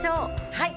はい！